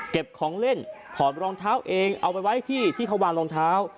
ของเล่นถอดรองเท้าเองเอาไปไว้ที่ที่เขาวางรองเท้า